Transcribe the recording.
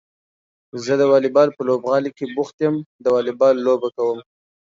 زه د واليبال په لوبغالي کې بوخت يم د واليبال لوبه کوم.